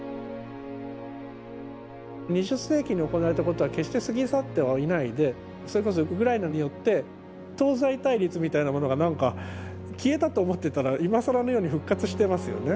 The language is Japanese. ２０世紀に行われたことは決して過ぎ去ってはいないでそれこそウクライナによって東西対立みたいなものが何か消えたと思ってたら今更のように復活してますよね。